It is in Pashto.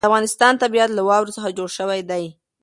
د افغانستان طبیعت له واورو څخه جوړ شوی دی.